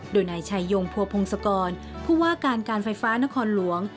โดยนายชัยยงพัวพงศกรผู้ว่าการการไฟฟ้านครหลวง